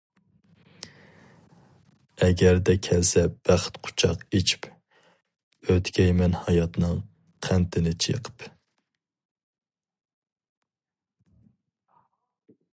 ئەگەردە كەلسە بەخت قۇچاق ئېچىپ، ئۆتكەيمەن ھاياتنىڭ قەنتىنى چېقىپ.